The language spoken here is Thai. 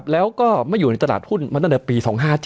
แล้วก็ไม่อยู่ในตลาดหุ้นมาตั้งแต่ปี๒๕๗